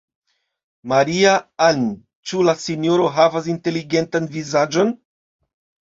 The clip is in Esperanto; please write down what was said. Maria-Ann, ĉu la sinjoro havas inteligentan vizaĝon?